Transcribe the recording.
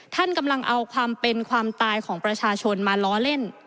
ท่านกำลังเอาความเป็นความตายของประชาชนมาล้อเล่น